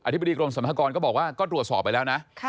ธิบดีกรมสรรพากรก็บอกว่าก็ตรวจสอบไปแล้วนะ